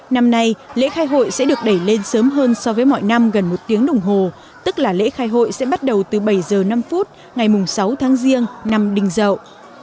năm nay lễ khai hội sẽ được đẩy lên sớm hơn so với mọi năm gần một tiếng đồng hồ tức là lễ khai hội sẽ bắt đầu từ bảy h năm ngày sáu tháng riêng năm đình dậu